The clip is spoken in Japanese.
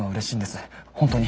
本当に。